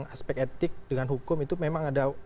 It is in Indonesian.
aspek etik dengan hukum itu memang ada